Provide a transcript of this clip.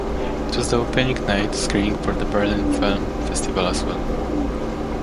It was the opening night screening for the Berlin Film Festival as well.